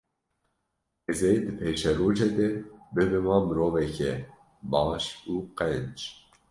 ez ê di pêşerojê de bibima mirovekê baş û qenc.